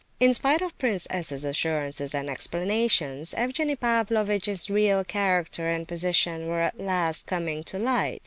In spite of Prince S.'s assurances and explanations, Evgenie Pavlovitch's real character and position were at last coming to light.